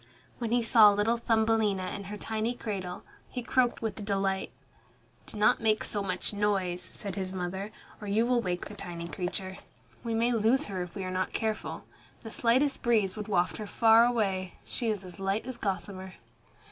When he saw little Thumbelina in her tiny cradle, he croaked with delight. "Do not make so much noise," said his mother, "or you will wake the tiny creature. We may lose her if we are not careful. The slightest breeze would waft her far away. She is as light as gossamer."